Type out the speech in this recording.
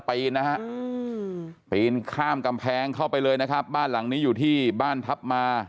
ปีนนะฮะปีนข้ามกำแพงเข้าไปเลยนะครับบ้านหลังนี้อยู่ที่บ้านทัพมา